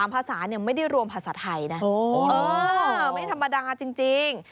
ภาษาไม่ได้รวมภาษาไทยนะไม่ธรรมดาจริง